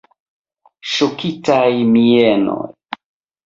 Ŝokitaj mienoj.